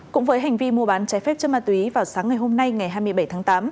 cũng với hành vi mua bán trái phép chất ma túy vào sáng ngày hôm nay ngày hai mươi bảy tháng tám